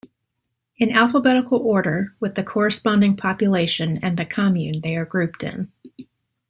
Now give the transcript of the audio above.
In alphabetical order, with the corresponding population and the commune they are grouped in.